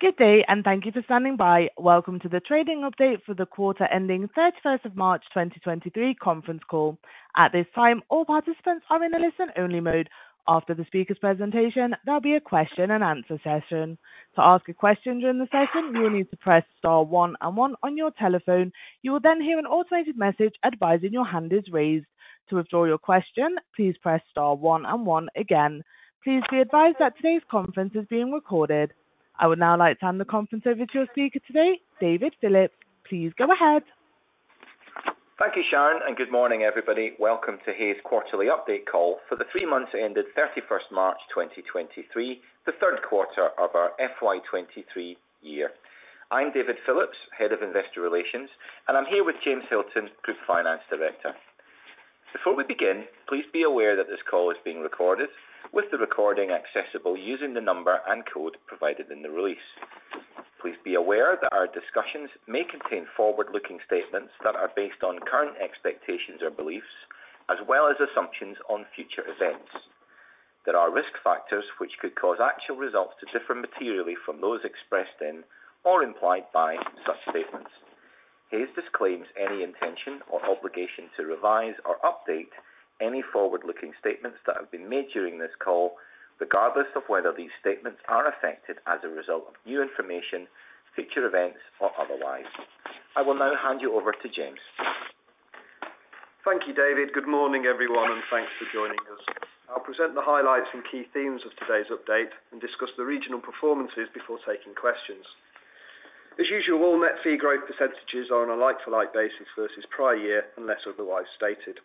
Good day and thank you for standing by. Welcome to the trading update for the quarter ending 31st of March 2023 conference call. At this time, all participants are in a listen-only mode. After the speaker's presentation, there'll be a question and answer session. To ask a question during the session, you'll need to press star one and one on your telephone. You will then hear an automated message advising your hand is raised. To withdraw your question, please press star one and one again. Please be advised that today's conference is being recorded. I would now like to hand the conference over to your speaker today, David Phillips. Please go ahead. Thank you, Sharon. Good morning, everybody. Welcome to Hays quarterly update call for the three months that ended 31st March 2023, the third quarter of our FY23 year. I'm David Phillips, Head of Investor Relations, and I'm here with James Hilton, Group Finance Director. Before we begin, please be aware that this call is being recorded, with the recording accessible using the number and code provided in the release. Please be aware that our discussions may contain forward-looking statements that are based on current expectations or beliefs, as well as assumptions on future events. There are risk factors which could cause actual results to differ materially from those expressed in or implied by such statements. Hays disclaims any intention or obligation to revise or update any forward-looking statements that have been made during this call, regardless of whether these statements are affected as a result of new information, future events, or otherwise. I will now hand you over to James. Thank you, David. Good morning, everyone, and thanks for joining us. I'll present the highlights and key themes of today's update and discuss the regional performances before taking questions. As usual, all net fee growth percentages are on a like-for-like basis versus prior year, unless otherwise stated.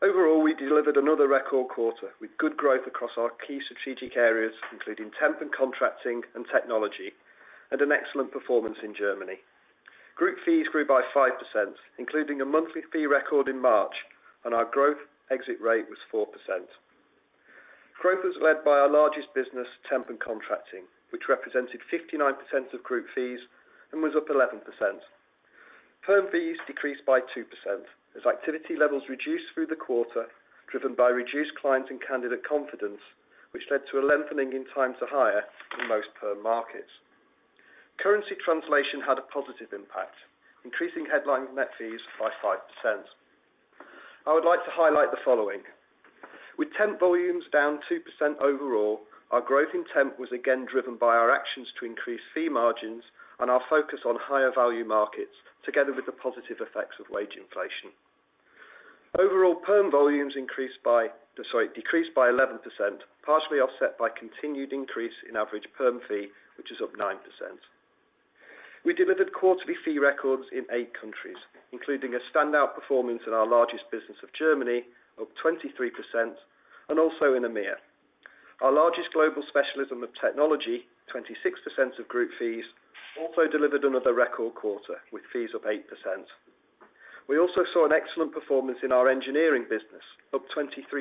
Overall, we delivered another record quarter with good growth across our key strategic areas, including Temp & Contracting and Technology, and an excellent performance in Germany. Group fees grew by 5%, including a monthly fee record in March, and our growth exit rate was 4%. Growth was led by our largest business, Temp & Contracting, which represented 59% of group fees and was up 11%. Perm fees decreased by 2% as activity levels reduced through the quarter, driven by reduced clients and candidate confidence, which led to a lengthening in time to hire in most perm markets. Currency translation had a positive impact, increasing headline net fees by 5%. I would like to highlight the following. With Temp volumes down 2% overall, our growth in Temp was again driven by our actions to increase fee margins and our focus on higher value markets together with the positive effects of wage inflation. Overall Perm volumes, sorry, decreased by 11%, partially offset by continued increase in average Perm fee, which is up 9%. We delivered quarterly fee records in eight countries, including a standout performance in our largest business of Germany, up 23%, and also in EMEA. Our largest global specialism of Technology, 26% of group fees, also delivered another record quarter with fees up 8%. We also saw an excellent performance in our Engineering business, up 23%,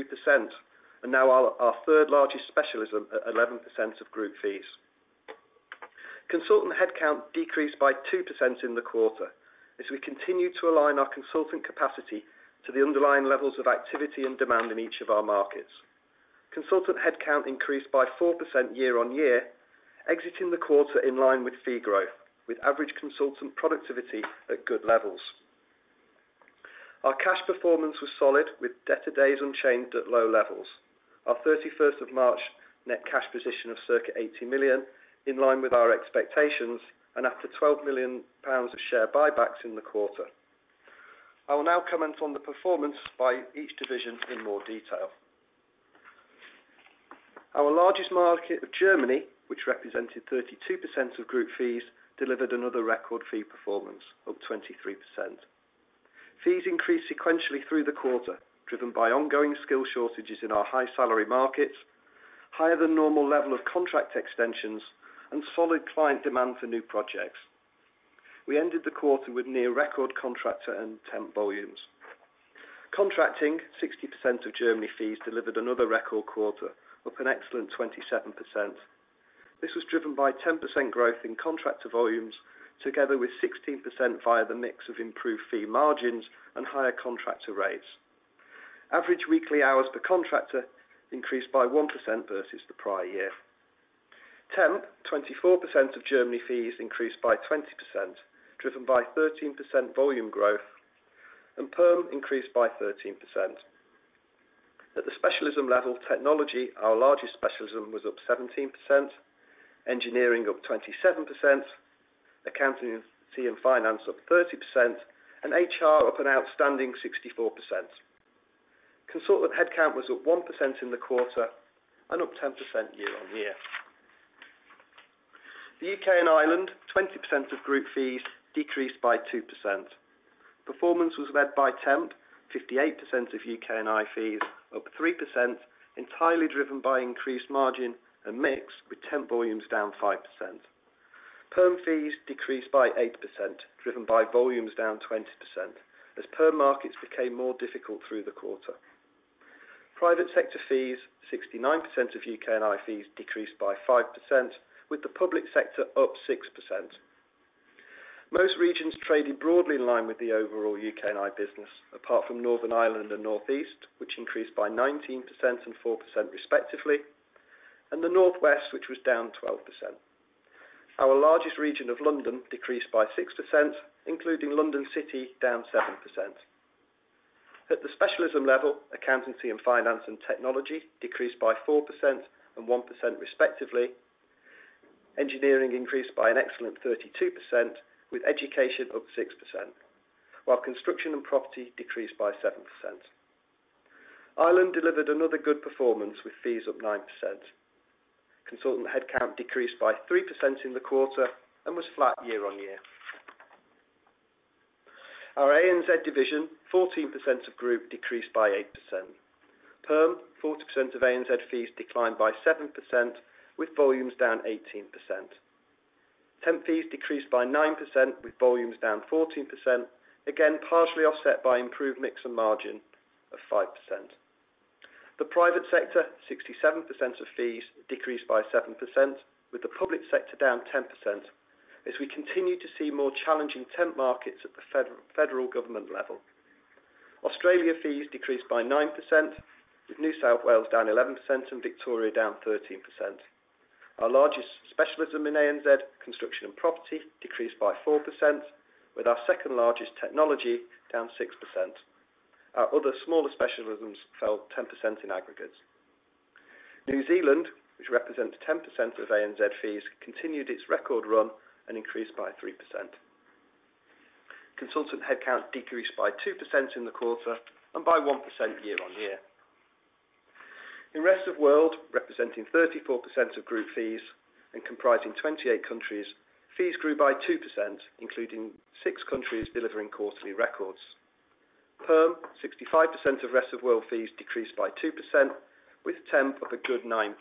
and now our third largest specialism at 11% of group fees. consultant headcount decreased by 2% in the quarter as we continue to align our consultant capacity to the underlying levels of activity and demand in each of our markets. consultant headcount increased by 4% year-on-year, exiting the quarter in line with fee growth, with average consultant productivity at good levels. Our cash performance was solid with debtor days unchanged at low levels. Our 31st of March net cash position of circa 80 million in line with our expectations and after 12 million pounds of share buybacks in the quarter. I will now comment on the performance by each division in more detail. Our largest market of Germany, which represented 32% of group fees, delivered another record fee performance, up 23%. Fees increased sequentially through the quarter, driven by ongoing skill shortages in our high salary markets, higher than normal level of contract extensions, and solid client demand for new projects. We ended the quarter with near record contractor and Temp volumes. Contracting 60% of Germany fees delivered another record quarter, up an excellent 27%. This was driven by 10% growth in contractor volumes, together with 16% via the mix of improved fee margins and higher contractor rates. Average weekly hours per contractor increased by 1% versus the prior year. Temp, 24% of Germany fees increased by 20%, driven by 13% volume growth, and Perm increased by 13%. At the specialism level, Technology, our largest specialism, was up 17%, Engineering up 27%, Accountancy & Finance up 30%, and HR up an outstanding 64%. consultant headcount was up 1% in the quarter and up 10% year-on-year. The U.K. and Ireland, 20% of group fees decreased by 2%. Performance was led by Temp, 58% of U.K. and I fees up 3%, entirely driven by increased margin and mix, with Temp volumes down 5%. Perm fees decreased by 8%, driven by volumes down 20% as Perm markets became more difficult through the quarter. Private sector fees, 69% of U.K. and I fees decreased by 5%, with the public sector up 6%. Most regions traded broadly in line with the overall U.K. and I business, apart from Northern Ireland and North East, which increased by 19% and 4% respectively, and the North West, which was down 12%. Our largest region of London decreased by 6%, including London City down 7%. At the specialism level, Accountancy & Finance and Technology decreased by 4% and 1% respectively. Engineering increased by an excellent 32%, with Education up 6%, while Construction & Property decreased by 7%. Ireland delivered another good performance with fees up 9%. consultant headcount decreased by 3% in the quarter and was flat year-on-year. Our ANZ division, 14% of group, decreased by 8%. Perm, 40% of ANZ fees declined by 7% with volumes down 18%. Temp fees decreased by 9% with volumes down 14%, again, partially offset by improved mix and margin of 5%. The private sector, 67% of fees decreased by 7%, with the public sector down 10% as we continue to see more challenging Temp markets at the federal government level. Australia fees decreased by 9%, with New South Wales down 11% and Victoria down 13%. Our largest specialism in ANZ, Construction & Property decreased by 4%, with our second-largest Technology down 6%. Our other smaller specialisms fell 10% in aggregate. New Zealand, which represents 10% of ANZ fees, continued its record run and increased by 3%. consultant headcount decreased by 2% in the quarter and by 1% year-on-year. In Rest of World, representing 34% of group fees and comprising 28 countries, fees grew by 2%, including six countries delivering quarterly records. Perm, 65% of Rest of World fees decreased by 2%, with temp up a good 9%.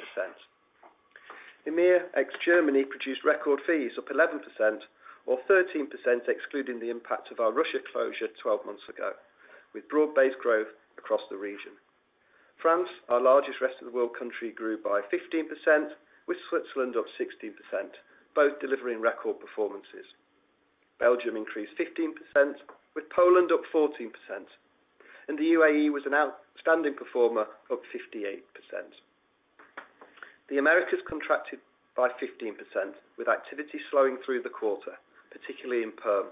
EMEA, ex Germany, produced record fees up 11% or 13% excluding the impact of our Russia closure 12 months ago, with broad-based growth across the region. France, our largest rest of the world country, grew by 15%, with Switzerland up 16%, both delivering record performances. Belgium increased 15%, with Poland up 14%. The UAE was an outstanding performer up 58%. The Americas contracted by 15%, with activity slowing through the quarter, particularly in Perm.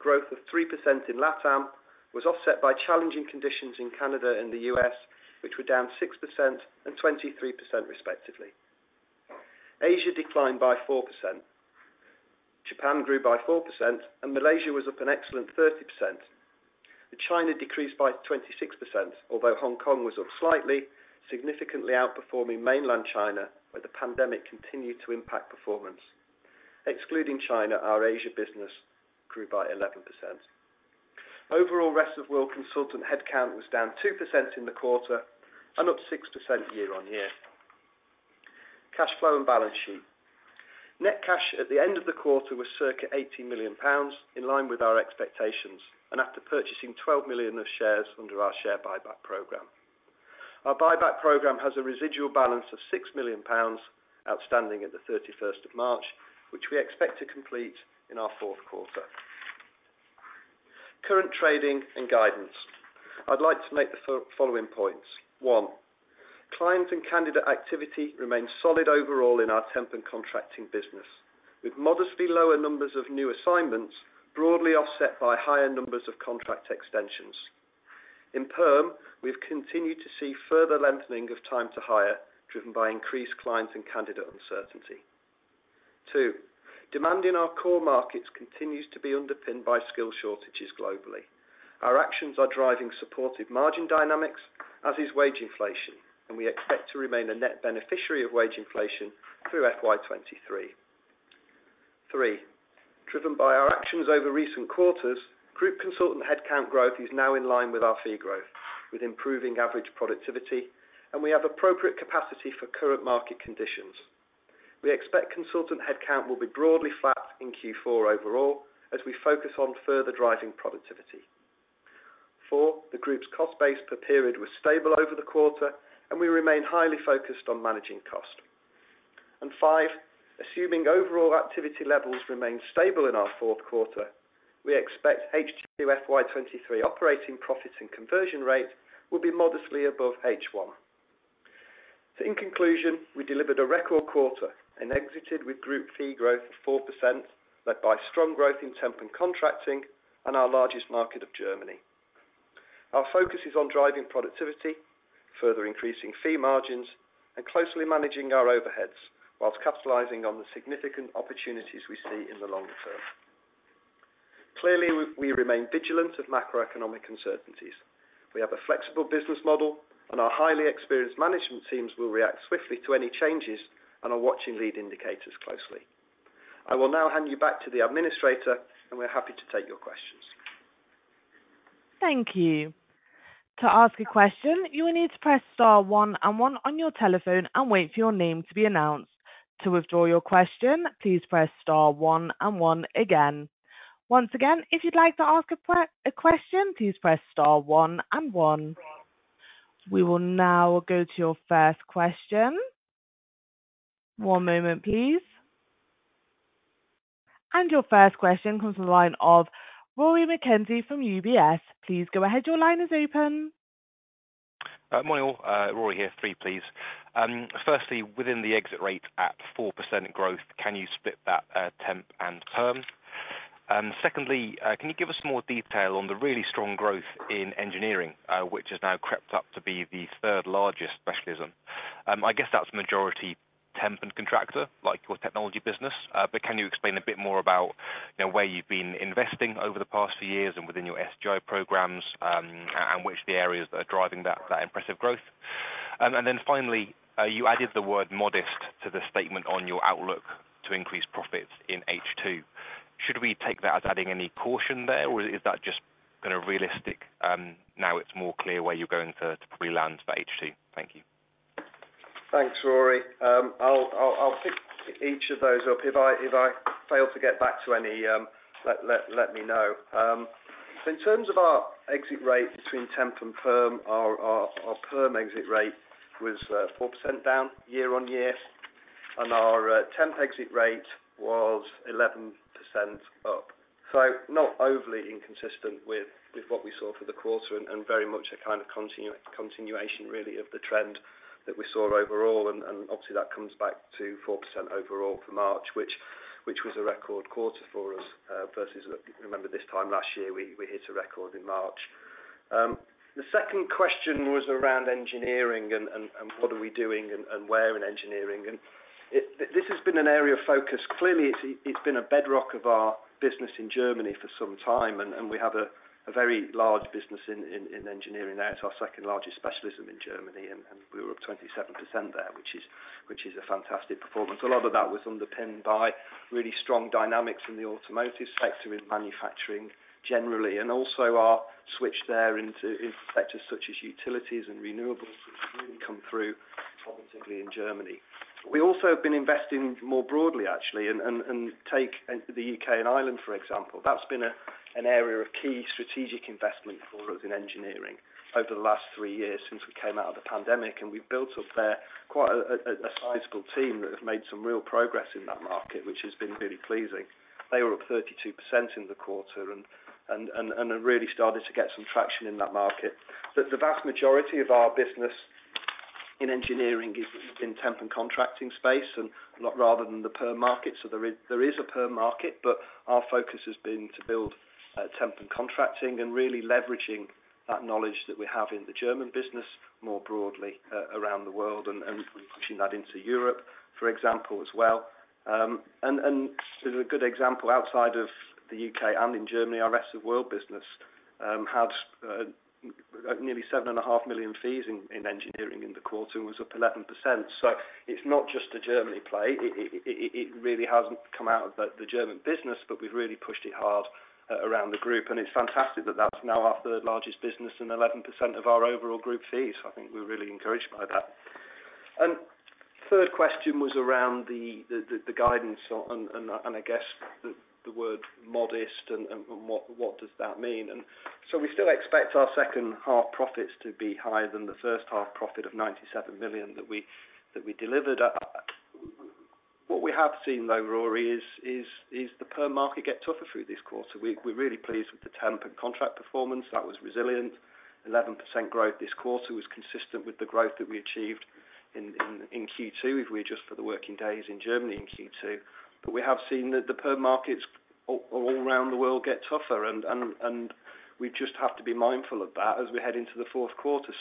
Growth of 3% in LATAM was offset by challenging conditions in Canada and the U.S., which were down 6% and 23% respectively. Asia declined by 4%. Japan grew by 4%. Malaysia was up an excellent 30%. The China decreased by 26%, although Hong Kong was up slightly, significantly outperforming mainland China, where the pandemic continued to impact performance. Excluding China, our Asia business grew by 11%. Overall, Rest of World consultant headcount was down 2% in the quarter and up 6% year-on-year. Cash flow and balance sheet. Net cash at the end of the quarter was circa 80 million pounds in line with our expectations and after purchasing 12 million of shares under our share buyback program. Our buyback program has a residual balance of 6 million pounds outstanding at the 31st of March, which we expect to complete in our fourth quarter. Current trading and guidance. I'd like to make the following points. 1. Client and candidate activity remains solid overall in our Temp & Contracting business, with modestly lower numbers of new assignments broadly offset by higher numbers of contract extensions. In Perm, we've continued to see further lengthening of time to hire, driven by increased clients and candidate uncertainty. 2. Demand in our core markets continues to be underpinned by skill shortages globally. Our actions are driving supportive margin dynamics, as is wage inflation, and we expect to remain a net beneficiary of wage inflation through FY23. 3, driven by our actions over recent quarters, group consultant headcount growth is now in line with our fee growth, with improving average productivity, and we have appropriate capacity for current market conditions. We expect consultant headcount will be broadly flat in Q4 overall as we focus on further driving productivity. 4, the group's cost base per period was stable over the quarter and we remain highly focused on managing cost. 5, assuming overall activity levels remain stable in our fourth quarter, we expect H2 FY23 operating profits and conversion rates will be modestly above H1. In conclusion, we delivered a record quarter and exited with group fee growth of 4%, led by strong growth in Temp & Contracting and our largest market of Germany. Our focus is on driving productivity, further increasing fee margins and closely managing our overheads while capitalizing on the significant opportunities we see in the long term. Clearly, we remain vigilant of macroeconomic uncertainties. We have a flexible business model and our highly experienced management teams will react swiftly to any changes and are watching lead indicators closely. I will now hand you back to the administrator and we're happy to take your questions. Thank you. To ask a question, you will need to press star one and one on your telephone and wait for your name to be announced. To withdraw your question, please press star one and one again. Once again, if you'd like to ask a question, please press star one and one. We will now go to your first question. One moment, please. Your first question comes to the line of Rory McKenzie from UBS. Please go ahead. Your line is open. Morning all, Rory here. Three, please. Firstly, within the exit rate at 4% growth, can you split that, Temp and Perm? Secondly, can you give us more detail on the really strong growth in Engineering, which has now crept up to be the third largest specialism? I guess that's majority Temp and contractor, like your Technology business. Can you explain a bit more about, you know, where you've been investing over the past few years and within your MSP programs, and which the areas that are driving that impressive growth? Finally, you added the word modest to the statement on your outlook to increase profits in H2. Should we take that as adding any caution there, or is that just kind of realistic, now it's more clear where you're going to probably land for H2? Thank you? Thanks, Rory. I'll pick each of those up. If I fail to get back to any, let me know. In terms of our exit rate between temp and perm, our perm exit rate was 4% down year-on-year, and our temp exit rate was 11% up. Not overly inconsistent with what we saw for the quarter and very much a kind of continuation, really, of the trend that we saw overall. Obviously, that comes back to 4% overall for March, which was a record quarter for us, versus if you remember this time last year, we hit a record in March. The second question was around Engineering and what are we doing and where in Engineering. It... This has been an area of focus. Clearly, it's been a bedrock of our business in Germany for some time, and we have a very large business in Engineering there. It's our second largest specialism in Germany, and we were up 27% there, which is a fantastic performance. A lot of that was underpinned by really strong dynamics in the automotive sector, in manufacturing generally, and also our switch there into sectors such as utilities and renewables, which really come through positively in Germany. We also have been investing more broadly, actually, and take the U.K. and Ireland, for example. That's been an area of key strategic investment for us in Engineering over the last three years since we came out of the pandemic. We've built up there quite a sizable team that have made some real progress in that market, which has been really pleasing. They were up 32% in the quarter and have really started to get some traction in that market. The vast majority of our business in Engineering is in Temp & Contracting space and not rather than the Perm market. There is a Perm market, but our focus has been to build Temp & Contracting and really leveraging that knowledge that we have in the German business more broadly around the world and pushing that into Europe, for example, as well. As a good example, outside of the UK and in Germany, our Rest of World business had nearly seven and a half million fees in Engineering in the quarter, was up 11%. It's not just a Germany play. It really hasn't come out of the German business, but we've really pushed it hard around the group. It's fantastic that that's now our third largest business and 11% of our overall group fees. I think we're really encouraged by that. Third question was around the guidance and I guess the word modest and what does that mean? We still expect our second half profits to be higher than the first half profit of 97 million that we delivered. What we have seen though, Rory, is the Perm market get tougher through this quarter. We're really pleased with the Temp & Contracting performance. That was resilient. 11% growth this quarter was consistent with the growth that we achieved in Q2, if we adjust for the working days in Germany in Q2. We have seen the Perm markets all around the world get tougher and we just have to be mindful of that as we head into the fourth quarter.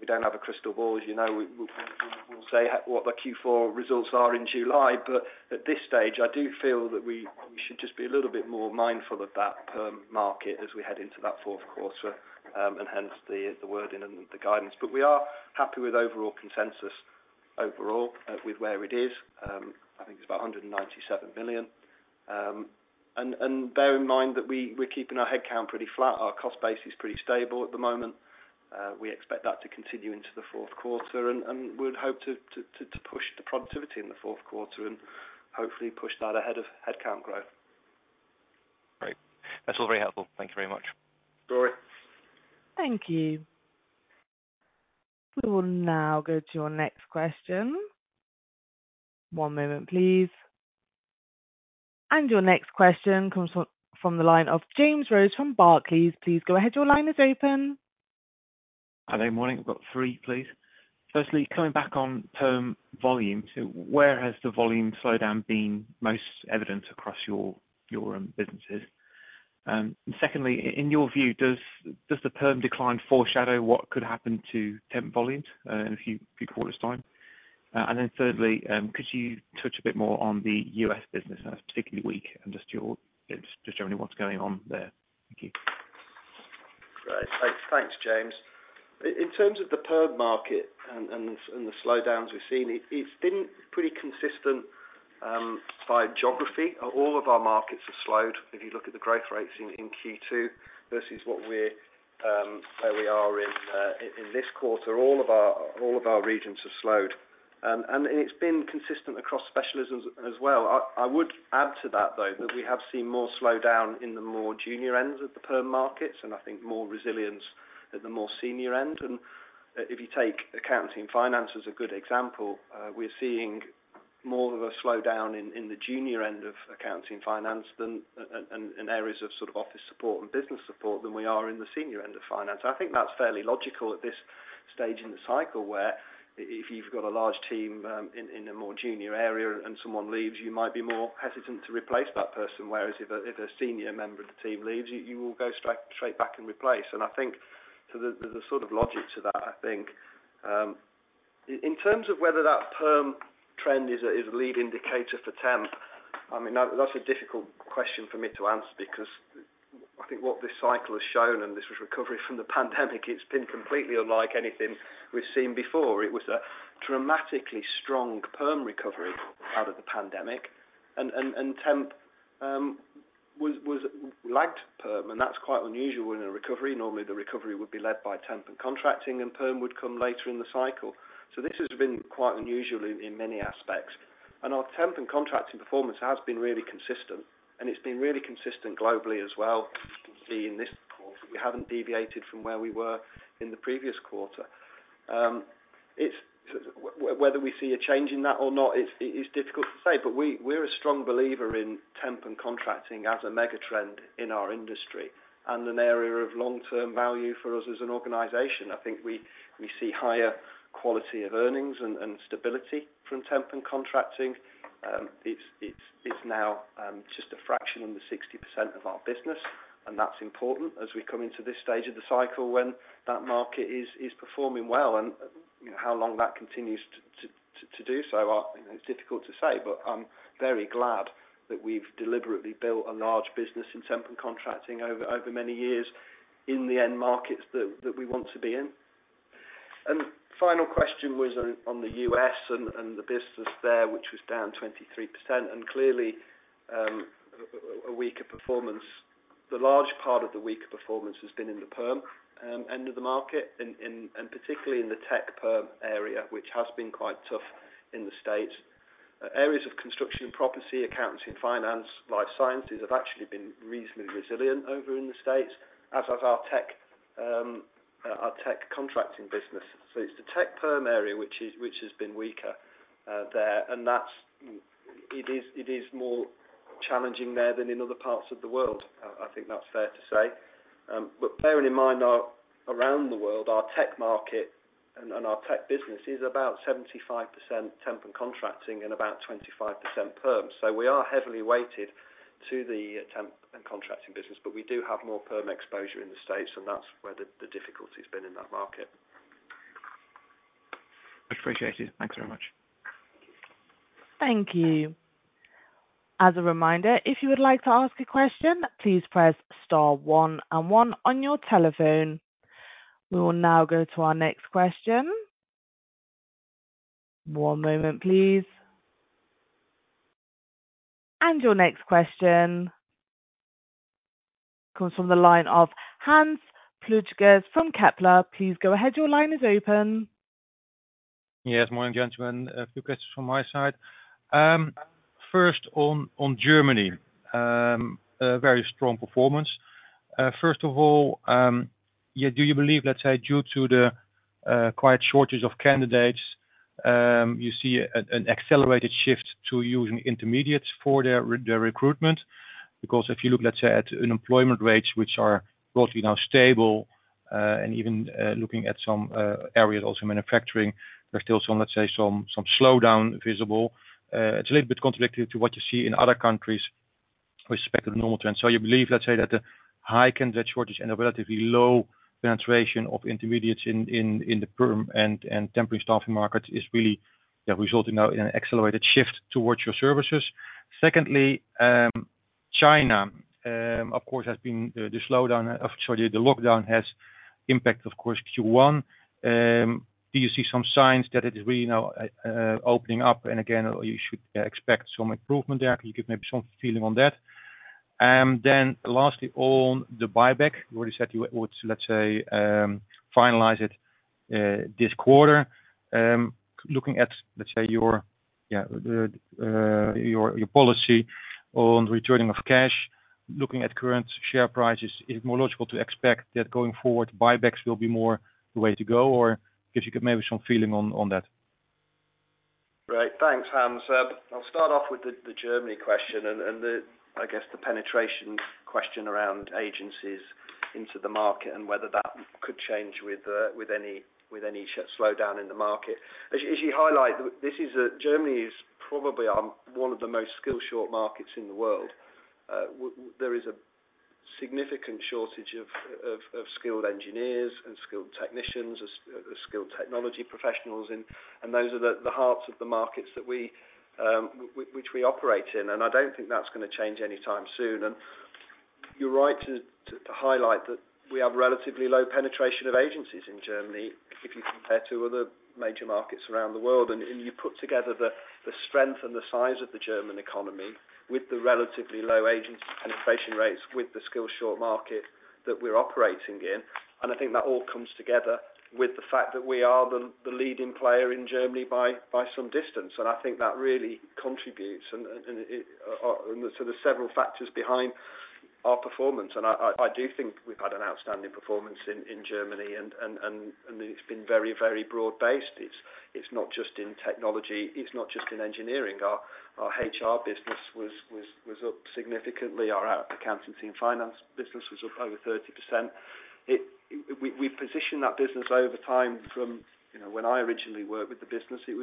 We don't have a crystal ball, as you know. We'll say what the Q4 results are in July. At this stage, I do feel that we should just be a little bit more mindful of that Perm market as we head into that fourth quarter, and hence the wording and the guidance. We are happy with overall consensus overall with where it is. I think it's about 197 million. Bear in mind that we're keeping our headcount pretty flat. Our cost base is pretty stable at the moment. We expect that to continue into the fourth quarter, and we'd hope to push the productivity in the fourth quarter and hopefully push that ahead of headcount growth. Great. That's all very helpful. Thank you very much. Sure. Thank you. We will now go to your next question. One moment, please. Your next question comes from the line of James Rhodes from Barclays. Please go ahead. Your line is open. Hello, morning. I've got three, please. Firstly, coming back on Perm volume. Where has the volume slowdown been most evident across your businesses? Secondly, in your view, does the Perm decline foreshadow what could happen to Temp volumes in a few quarters time? Thirdly, could you touch a bit more on the U.S. business that's particularly weak and just generally what's going on there? Thank you. Great. Thanks, James. In terms of the Perm market and the slowdowns we've seen, it's been pretty consistent by geography. All of our markets have slowed. If you look at the growth rates in Q2 versus what we're where we are in this quarter, all of our regions have slowed. It's been consistent across specialisms as well. I would add to that, though, that we have seen more slowdown in the more junior ends of the Perm markets and I think more resilience at the more senior end. If you take Accountancy & Finance as a good example, we're seeing more of a slowdown in the junior end of Accountancy & Finance than and areas of sort of Office Support and Business Support than we are in the senior end of finance. I think that's fairly logical at this stage in the cycle, where if you've got a large team, in a more junior area and someone leaves, you might be more hesitant to replace that person. Whereas if a senior member of the team leaves, you will go straight back and replace. I think so there's a sort of logic to that, I think. In terms of whether that perm trend is a lead indicator for temp, I mean, that's a difficult question for me to answer because I think what this cycle has shown, and this was recovery from the pandemic, it's been completely unlike anything we've seen before. It was a dramatically strong perm recovery out of the pandemic, and temp was lagged perm, and that's quite unusual in a recovery. Normally, the recovery would be led by Temp & Contracting, and Perm would come later in the cycle. This has been quite unusual in many aspects. Our Temp & Contracting performance has been really consistent, and it's been really consistent globally as well. You can see in this call that we haven't deviated from where we were in the previous quarter. Whether we see a change in that or not, it is difficult to say. We, we're a strong believer in Temp & Contracting as a mega trend in our industry and an area of long-term value for us as an organization. I think we see higher quality of earnings and stability from Temp & Contracting. It's now just a fraction under 60% of our business, and that's important as we come into this stage of the cycle when that market is performing well. You know, how long that continues to do so, you know, it's difficult to say. I'm very glad that we've deliberately built a large business in Temp & Contracting over many years in the end markets that we want to be in. Final question was on the US and the business there, which was down 23% and clearly a weaker performance. The large part of the weaker performance has been in the Perm end of the market, and particularly in the Tech Perm area, which has been quite tough in the States. Areas of Construction & Property, Accountancy & Finance, Life Sciences have actually been reasonably resilient over in the States, as has our Technology contracting business. It's the Technology Perm area which has been weaker there, and it is more challenging there than in other parts of the world. I think that's fair to say. Bearing in mind around the world, our Technology market and our Technology business is about 75% Temp & Contracting and about 25% Perm. We are heavily weighted to the Temp & Contracting business, but we do have more Perm exposure in the States, and that's where the difficulty's been in that market. Much appreciated. Thanks very much. Thank you. As a reminder, if you would like to ask a question, please press star one and one on your telephone. We will now go to our next question. One moment, please. Your next question comes from the line of Hans Pluijgers from Kepler. Please go ahead. Your line is open. Morning, gentlemen. A few questions from my side. First on Germany, a very strong performance. First of all, yeah, do you believe, let's say, due to the quiet shortage of candidates, you see an accelerated shift to using intermediates for their recruitment? If you look, let's say, at unemployment rates, which are broadly now stable, and even looking at some areas, also manufacturing, there's still some, let's say, some slowdown visible. It's a little bit contradictory to what you see in other countries with respect to the normal trend. You believe, let's say, that the high candidate shortage and a relatively low penetration of intermediates in the perm and temporary staffing markets is really resulting now in an accelerated shift towards your services? Secondly, China, of course, has been the slowdown. Actually, the lockdown has impact, of course, Q1. Do you see some signs that it is really now opening up, and again, you should expect some improvement there? Can you give maybe some feeling on that? Lastly on the buyback, you already said you would, let's say, finalize it this quarter. Looking at, let's say, your, yeah, your policy on returning of cash, looking at current share prices, is more logical to expect that going forward, buybacks will be more the way to go, or if you could maybe some feeling on that? Great. Thanks, Hans. I'll start off with the Germany question and the, I guess, the penetration question around agencies into the market and whether that could change with any slowdown in the market. As you highlight, this is a Germany is probably one of the most skill short markets in the world. There is a significant shortage of skilled engineers and skilled technicians, skilled Technology professionals and those are the hearts of the markets that we which we operate in. I don't think that's gonna change anytime soon. You're right to highlight that we have relatively low penetration of agencies in Germany if you compare to other major markets around the world. You put together the strength and the size of the German economy with the relatively low agency penetration rates with the skill short market that we're operating in. I think that all comes together with the fact that we are the leading player in Germany by some distance. I think that really contributes and so there's several factors behind Our performance. I do think we've had an outstanding performance in Germany and it's been very, very broad-based. It's not just in Technology, it's not just in Engineering. Our HR business was up significantly. Our Accountancy & Finance business was up over 30%. We positioned that business over time from, you know, when I originally worked with the business, it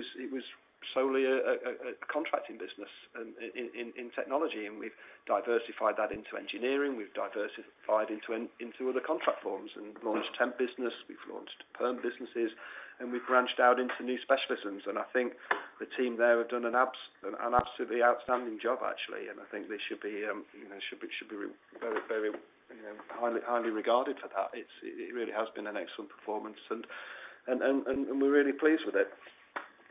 was solely a contracting business in technology, and we've diversified that into engineering. We've diversified into other contract forms and launched Temp business. We've launched Perm businesses, and we've branched out into new specialisms. I think the team there have done an absolutely outstanding job actually, and I think they should be, you know, should be very, you know, highly regarded for that. It really has been an excellent performance and we're really pleased with it.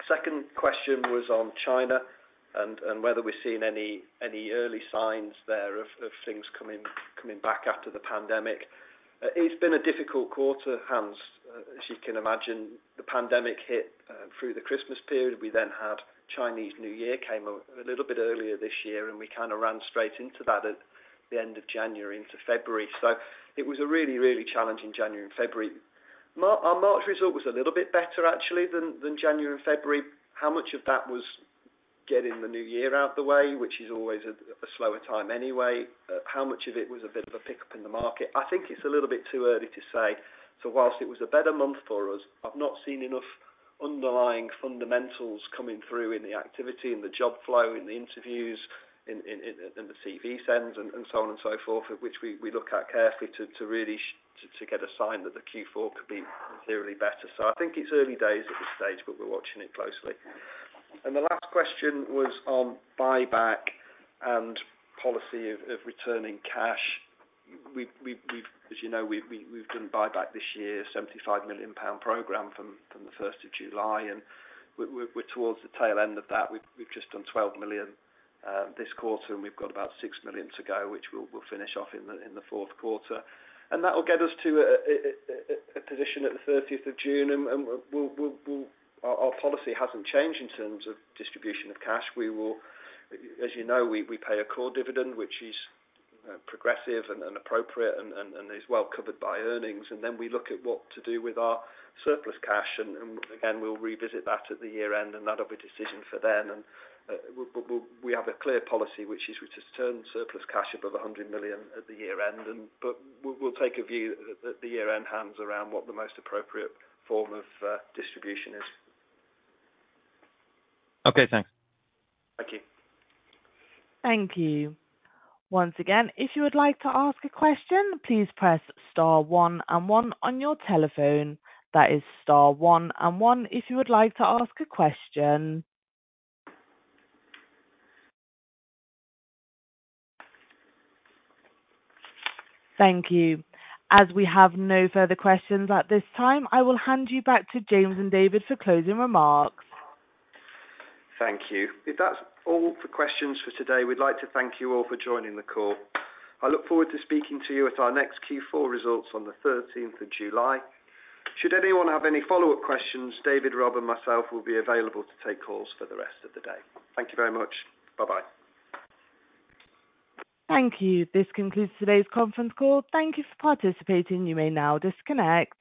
Second question was on China and whether we're seeing any early signs there of things coming back after the pandemic. It's been a difficult quarter, Hans. As you can imagine, the pandemic hit through the Christmas period. We had Chinese New Year came a little bit earlier this year, and we kinda ran straight into that at the end of January into February. It was a really, really challenging January and February. Our March result was a little bit better actually than January and February. How much of that was getting the new year out the way, which is always a slower time anyway? How much of it was a bit of a pickup in the market? I think it's a little bit too early to say. Whilst it was a better month for us, I've not seen enough underlying fundamentals coming through in the activity and the job flow, in the interviews, in the CV sends and so on and so forth, which we look at carefully to really get a sign that the Q4 could be clearly better. I think it's early days at this stage, but we're watching it closely. The last question was on buyback and policy of returning cash. We've, as you know, we've done buyback this year, 75 million pound program from the first of July, and we're towards the tail end of that. We've just done 12 million this quarter, and we've got about 6 million to go, which we'll finish off in the fourth quarter. That will get us to a position at the 30th of June. Our policy hasn't changed in terms of distribution of cash. We will. As you know, we pay a core dividend, which is progressive and appropriate and is well covered by earnings. Then we look at what to do with our surplus cash, and again, we'll revisit that at the year end, and that'll be a decision for then. We have a clear policy, which is we just turn surplus cash above 100 million at the year end, but we'll take a view at the year end, Hans, around what the most appropriate form of distribution is. Okay, thanks. Thank you. Thank you. Once again, if you would like to ask a question, please press star one and one on your telephone. That is star one and one if you would like to ask a question. Thank you. As we have no further questions at this time, I will hand you back to James and David for closing remarks. Thank you. If that's all for questions for today, we'd like to thank you all for joining the call. I look forward to speaking to you at our next Q4 results on the 13th of July. Should anyone have any follow-up questions, David, Rob and myself will be available to take calls for the rest of the day. Thank you very much. Bye-bye. Thank you. This concludes today's conference call. Thank you for participating. You may now disconnect.